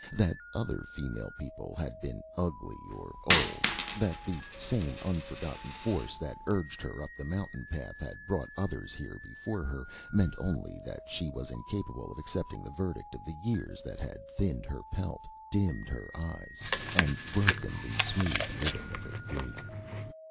That other female people had been ugly or old, that the same unforgotten force that urged her up the mountain path had brought others here before her, meant only that she was incapable of accepting the verdict of the years that had thinned her pelt, dimmed her eyes, and broken the smooth rhythm of her gait.